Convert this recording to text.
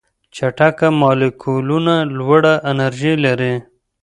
چټک مالیکولونه لوړه انرژي لري.